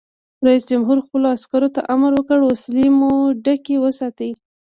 رئیس جمهور خپلو عسکرو ته امر وکړ؛ وسلې مو ډکې وساتئ!